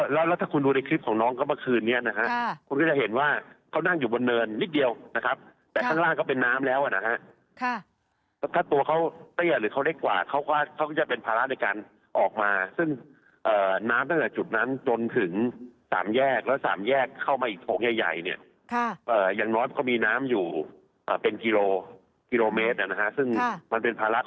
แล้วถ้าคุณดูในคลิปของน้องก็เมื่อคืนนี้นะฮะคุณก็จะเห็นว่าเขานั่งอยู่บนเนินนิดเดียวนะครับแต่ข้างล่างก็เป็นน้ำแล้วนะฮะถ้าตัวเขาเตี้ยหรือเขาเล็กกว่าเขาก็จะเป็นภาระในการออกมาซึ่งน้ำตั้งแต่จุดนั้นจนถึง๓แยกแล้วสามแยกเข้ามาอีกโถงใหญ่เนี่ยอย่างน้อยก็มีน้ำอยู่เป็นกิโลกิโลเมตรนะฮะซึ่งมันเป็นภาระ